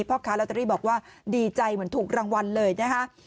พ่อค้าลอตเตอรี่บอกว่าดีใจเหมือนถูกรางวัลเลยนะคะ